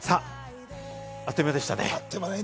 あっという間でしたね。